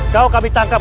kau kami tangkap